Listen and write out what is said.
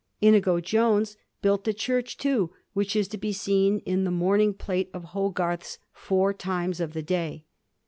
Inigo Jones built the church, too, which is to be seen in the ^ Morning ' plate of Hogarth's * Four Times of the Day.'